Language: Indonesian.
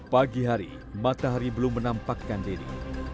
pagi hari matahari belum menampakkan diri